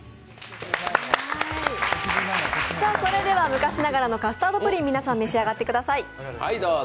昔ながらのカスタードプリン、皆さん召し上がってみてください。